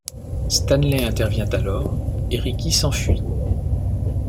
Stanley intervient alors et Ricky s’enfuit.